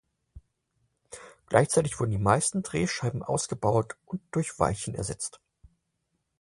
Gleichzeitig wurden die meisten Drehscheiben ausgebaut und durch Weichen ersetzt.